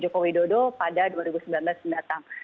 jokowi dodo pada dua ribu sembilan belas mendatang